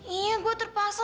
iya gue terpaksa